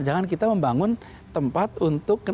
jangan kita membangun tempat untuk